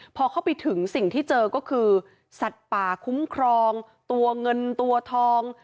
พอเข้าไปถึงสิ่งที่เจอก็คือสัตว์ป่าคุ้มครองตัวเงินตัวทอง